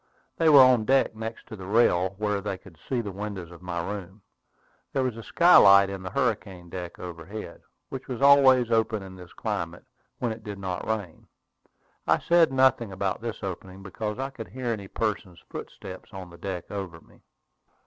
They were on deck, next to the rail, where they could see the windows of my room. There was a skylight in the hurricane deck overhead, which was always open in this climate when it did not rain. I said nothing about this opening, because I could hear any person's footsteps on the deck over me.